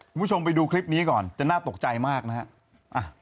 คุณผู้ชมไปดูคลิปนี้ก่อนจะน่าตกใจมากนะครับ